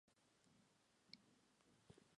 Es la extensión norte del Cinturón Móvil de Filipinas.